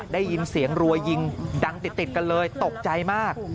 ได้ยินเสียงรัวยิงดังติดกันเลยตกใจมาก